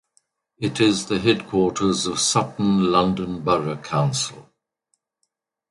It is the headquarters of Sutton London Borough Council.